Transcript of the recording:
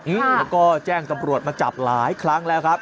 อืมแล้วก็แจ้งตำรวจมาจับหลายครั้งแล้วครับ